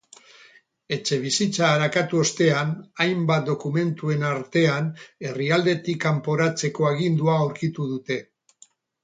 Etxebizitza arakatu ostean, hainbat dokumentuen artean herrialdetik kanporatzeko agindua aurkitu dute.